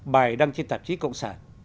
bài đăng trên tạp chí cộng sản